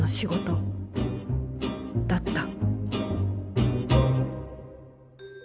だった。